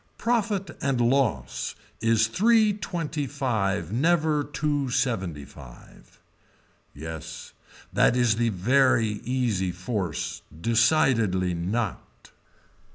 Profit and loss is three twenty five never two seventy five. Yes that is the very easy force, decidedly not.